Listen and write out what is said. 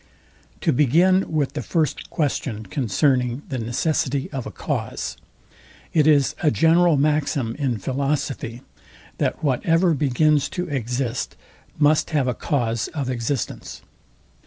To begin with the first question concerning the necessity of a cause: It is a general maxim in philosophy, that whatever begins to exist, must have a cause of existence.